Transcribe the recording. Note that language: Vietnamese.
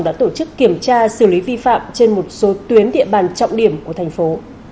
đã tổ chức kiểm tra xử lý vi phạm trên một số tuyến địa bàn trọng điểm của thành phố